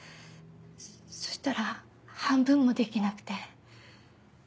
そしたら半分もできなくて。